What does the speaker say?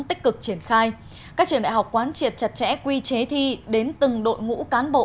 tích cực triển khai các trường đại học quán triệt chặt chẽ quy chế thi đến từng đội ngũ cán bộ